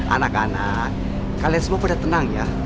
anak anak kalian semua pada tenang ya